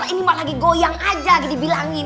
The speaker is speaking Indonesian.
ini malah goyang aja lagi dibilangin